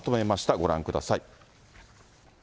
ご覧ください。